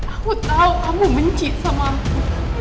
aku tahu kamu benci sama aku